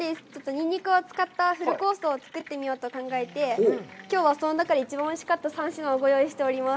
ニンニクを使ったフルコースを作ってみようと考えて、きょうはその中で一番おいしかった３品をご用意しております。